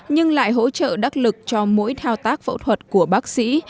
nhưng lại hỗ trợ đắc lực cho mỗi thao tác phẫu thuật của bác sĩ